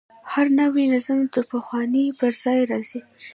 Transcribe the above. هر نوی نظم د پخواني پر ځای راځي.